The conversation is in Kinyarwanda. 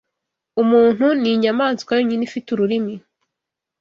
Umuntu ninyamaswa yonyine ifite ururimi.